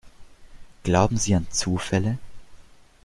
Glauben Sie an Zufälle?